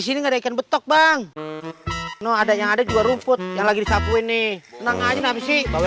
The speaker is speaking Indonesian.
sini mereka betok bang no adanya ada dua rumput yang lagi dicapuin nih tenang aja nabi sih bawa